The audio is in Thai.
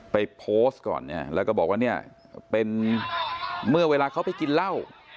ไปโพสต์ก่อนเนี่ยแล้วก็บอกว่าเนี่ยเป็นเมื่อเวลาเขาไปกินเหล้า